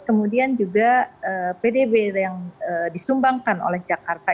kemudian juga pdb yang disumbangkan oleh jakarta